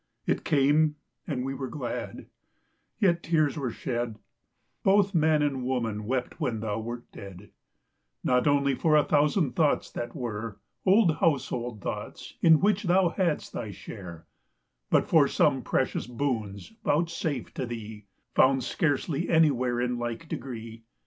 20 It came, and we were glad; yet tears were shed; Both man and woman wept when thou wert dead; Not only for a thousand thoughts that were, Old household thoughts, in which thou hadst thy share; But for some precious boons vouchsafed to thee, 25 Found scarcely any where in like degree!